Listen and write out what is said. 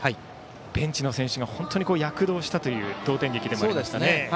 ベンチの選手が本当に躍動したという同点劇でもありましたね。